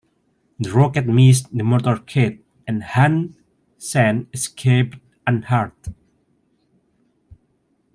The rocket missed the motorcade, and Hun Sen escaped unhurt.